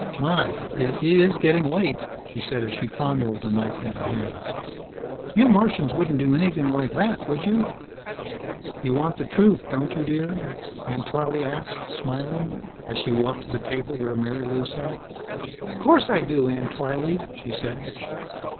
"My, it is getting late," she said as she fondled the knife in her hands. "You Martians wouldn't do anything like that, would you?" "You want the truth, don't you, dear?" Aunt Twylee asked, smiling, as she walked to the table where Marilou sat. "'Course I do, Aunt Twylee," she said.